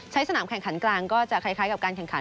สนามแข่งขันกลางก็จะคล้ายกับการแข่งขัน